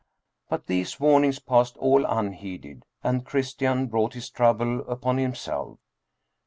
But these warnings passed all unheeded, and Christian brought his trouble upon himself.